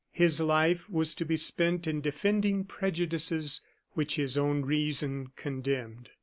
His life was to be spent in defending prejudices which his own reason condemned.